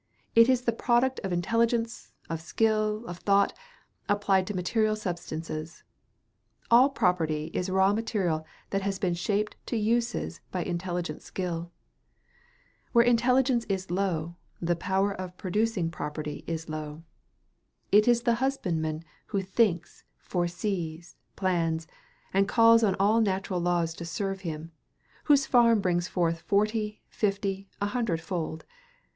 It is the product of intelligence, of skill, of thought applied to material substances. All property is raw material that has been shaped to uses by intelligent skill. Where intelligence is low, the power of producing property is low. It is the husbandman who thinks, foresees, plans, and calls on all natural laws to serve him, whose farm brings forth forty, fifty, and a hundred fold.